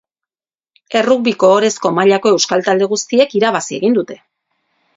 Errugbiko ohorezko mailako euskal talde guztiek irabazi egin dute.